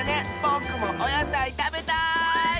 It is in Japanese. ぼくもおやさいたべたい！